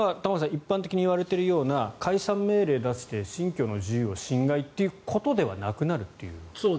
一般的に言われているような解散命令を出して信教の自由を侵害ということではなくなるという。